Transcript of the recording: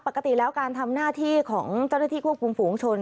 ปกติแล้วการทำหน้าที่ของเจ้าหน้าที่ควบคุมฝูงชน